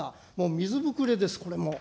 水ぶくれです、これも。